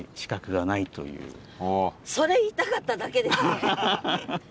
それ言いたかっただけですね。